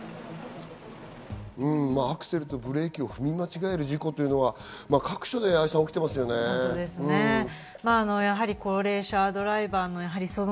アクセルとブレーキを踏み間違える事故というのは各所で起きてますね、愛さん。